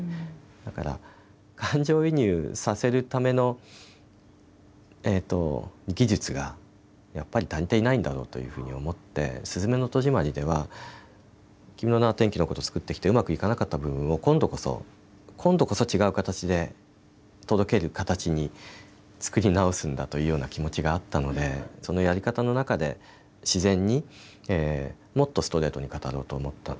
だから感情移入させるための技術がやっぱり足りていないんだろうというふうに思って「すずめの戸締まり」では「君の名は。」「天気の子」と作ってきてうまくいかなかった部分を今度こそ、今度こそ、違う形で届ける形に作り直すんだというような気持ちがあったのでそのやり方の中で自然に、もっとストレートに語ろうと思った。